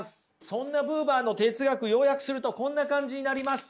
そんなブーバーの哲学要約するとこんな感じになります。